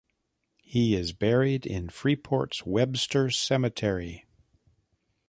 He is buried in Freeport's Webster Cemetery.